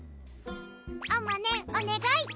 あまねんおねがい！